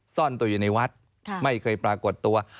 ซ่อนตัวอยู่ในวัดไม่เคยปรากฏตัว